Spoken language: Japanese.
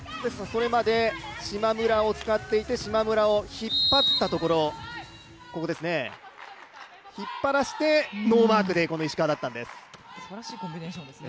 それまで島村を使っていて、島村を引っ張ったところ、引っ張らせてノーマークでこの石川だったんです。